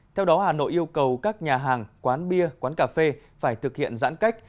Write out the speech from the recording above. theo đó hà nội yêu cầu các nhà hàng quán bia quán cà phê phải thực hiện giãn cách